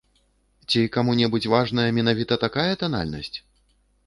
Ці каму-небудзь важная менавіта такая танальнасць?